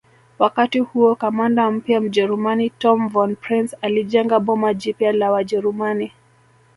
wakati huo kamanda mpya mjerumani Tom Von Prince alijenga boma jipya la wajerumani